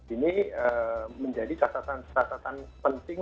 ini menjadi catatan catatan penting